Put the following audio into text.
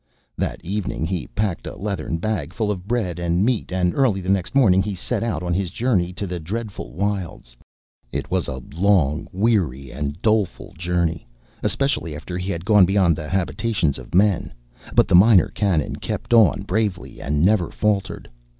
That evening he packed a leathern bag full of bread and meat, and early the next morning he set out on his journey to the dreadful wilds. It was a long, weary, and doleful journey, especially after he had gone beyond the habitations of men, but the Minor Canon kept on bravely, and never faltered.